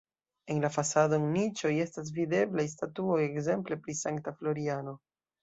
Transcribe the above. En la fasado en niĉoj estas videblaj statuoj ekzemple pri Sankta Floriano.